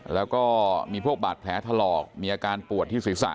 แล้วก็มีพวกบาดแผลถลอกมีอาการปวดที่ศีรษะ